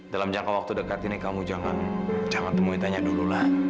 dalam jangka waktu dekat ini kamu jangan jangan temuin tanya dululah